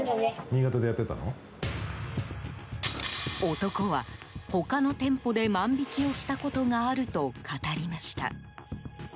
男は他の店舗で、万引きをしたことがあると語りました。